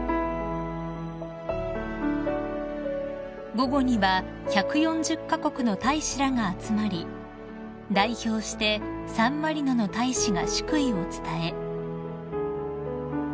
［午後には１４０カ国の大使らが集まり代表してサンマリノの大使が祝意を伝え］